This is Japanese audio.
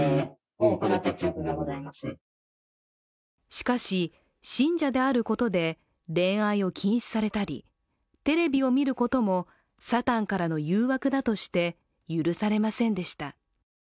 しかし、信者であることで恋愛を禁止されたりテレビを見ることも、サタンからの誘惑だとして許されませんでした。